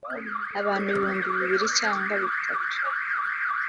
abantu ibihumbi bibiri cyangwa bitatu.